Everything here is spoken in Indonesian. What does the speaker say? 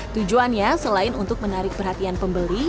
tujuannya selain untuk menarik perhatian pembeli